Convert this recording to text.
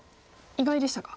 意外でしたか。